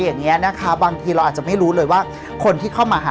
อย่างนี้นะคะบางทีเราอาจจะไม่รู้เลยว่าคนที่เข้ามาหา